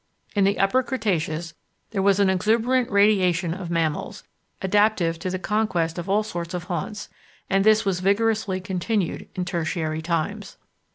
In the Upper Cretaceous there was an exuberant "radiation" of mammals, adaptive to the conquest of all sorts of haunts, and this was vigorously continued in Tertiary times.